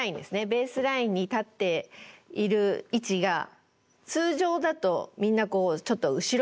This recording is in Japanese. ベースラインに立っている位置が通常だとみんなちょっと後ろに下がっているんですね。